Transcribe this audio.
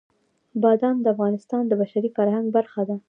بادام د افغانستان د بشري فرهنګ برخه ده.